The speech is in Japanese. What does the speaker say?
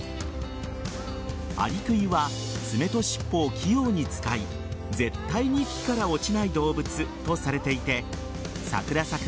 アリクイは爪としっぽを器用に使い絶対に木から落ちない動物とされていて桜咲く